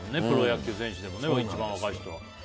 プロ野球選手でも、一番若い人は。